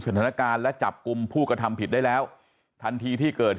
สถานการณ์และจับกลุ่มผู้กระทำผิดได้แล้วทันทีที่เกิด